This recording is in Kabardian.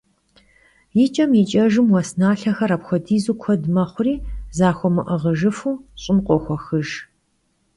Yiç'em yiç'ejjım, vues nalhexer apxuedizu kued mexhuri, zaxuemı'ığıjjıfu, ş'ım khoxuex.